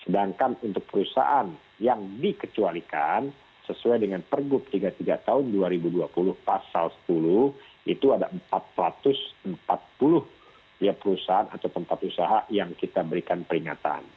sedangkan untuk perusahaan yang dikecualikan sesuai dengan pergub tiga puluh tiga tahun dua ribu dua puluh pasal sepuluh itu ada empat ratus empat puluh perusahaan atau tempat usaha yang kita berikan peringatan